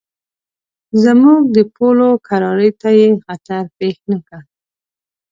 زموږ د پولو کرارۍ ته یې خطر پېښ نه کړ.